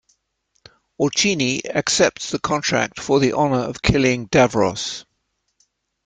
Orcini accepts the contract for the honour of killing Davros.